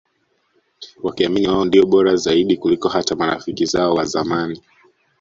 Wakiamini wao ndio Bora Zaidi kuliko hata marafiki zao wazamani